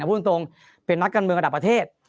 พูดตรงเป็นนักการเมืองระดับประเทศ